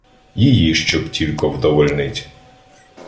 Її щоб тілько вдовольнить.